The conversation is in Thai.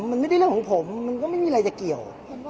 มันไม่ได้เรื่องของผมมันก็ไม่มีอะไรจะเกี่ยว